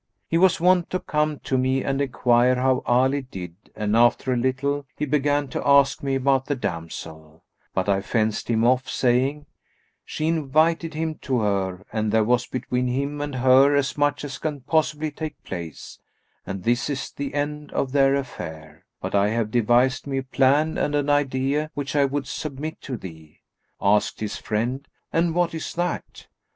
He was wont to come to me and enquire how Ali did and after a little, he began to ask me about the damsel; but I fenced him off, saying, 'She invited him to her and there was between him and her as much as can possibly take place, and this is the end of their affair; but I have devised me a plan and an idea which I would submit to thee.'" Asked his friend, "And what is that?"